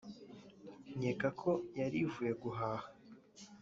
nkeka ko yari ivuye guhaha